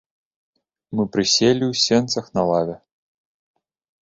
Мы прыселі ў сенцах на лаве.